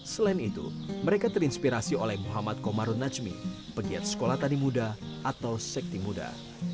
selain itu mereka terinspirasi oleh muhammad komarun najmi pegiat sekolah tani muda atau sekti muda